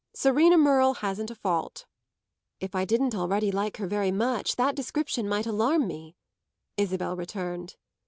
Serena Merle hasn't a fault." "If I didn't already like her very much that description might alarm me," Isabel returned.